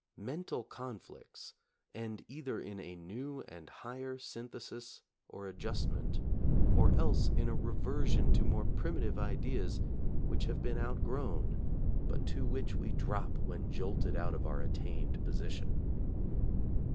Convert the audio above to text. Mental conflicts end either in a new and higher synthesis or adjustment, or else in a reversion to more primitive ideas which have been outgrown but to which we drop when jolted out of our at tained position.